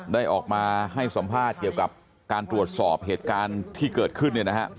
ได้ออกมาให้สัมภาษณ์เกี่ยวกับการตรวจสอบเหตุการณ์ที่เกิดขึ้นเนี่ยนะฮะ